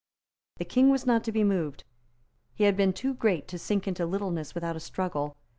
The King was not to be moved. He had been too great to sink into littleness without a struggle.